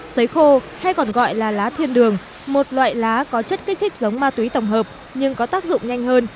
xấy khô hay còn gọi là lá thiên đường một loại lá có chất kích thích giống ma túy tổng hợp nhưng có tác dụng nhanh hơn